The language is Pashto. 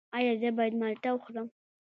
ایا زه باید مالټه وخورم؟